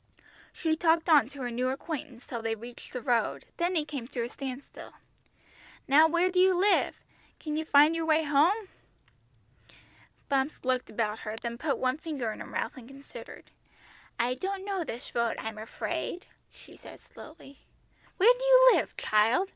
She talked on to her new acquaintance till they reached the road, then he came to a standstill. "Now where do you live? Can you find your way home?" Bumps looked about her, then put one finger in her mouth and considered. "I don't know this road, I'm afraid," she said slowly. "Where do you live, child?"